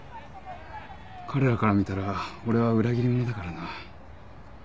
彼らから見たら俺は裏切り者だからな。